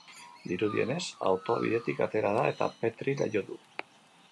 Dirudienez, autoa bidetik atera da eta petrila jo du.